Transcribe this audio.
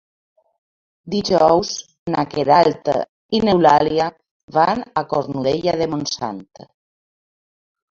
Dijous na Queralt i n'Eulàlia van a Cornudella de Montsant.